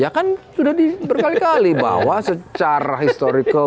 ya kan sudah berkali kali bahwa secara historical